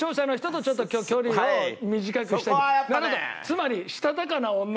つまりしたたかな女。